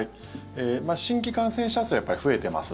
新規感染者数はやっぱり増えています。